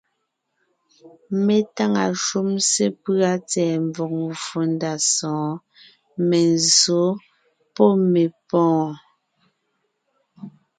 Mé táŋa shúm sepʉ́a tsɛ̀ɛ mvɔ̀g mvfò ndá sɔ̌ɔn: menzsǒ pɔ́ mepɔ̀ɔn.